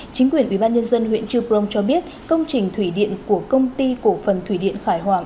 chính quyền ubnd huyện chư prong cho biết công trình thủy điện của công ty cổ phần thủy điện khải hoàng